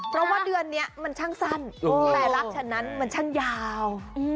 เพราะว่าเดือนนี้มันช่างสั้นแต่รักฉันนั้นมันช่างยาว